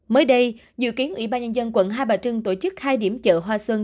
mới đây dự kiến ủy ban nhân dân quận hai bà trưng tổ chức hai điểm chợ hoa xuân